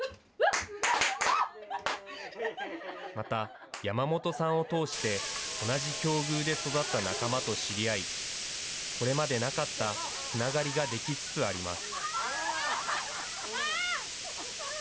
また、山本さんを通して同じ境遇で育った仲間と知り合い、これまでなかったつながりが出来つつあります。